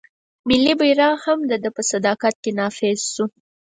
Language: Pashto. ملي بیرغ هم د ده په صدارت کې نافذ شو.